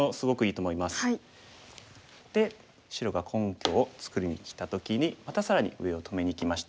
で白が根拠を作りにきた時にまた更に上を止めにきました。